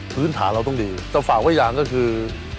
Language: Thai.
พื้นฐานเราต้องดีแต่ฝากไว้อย่างก็คือ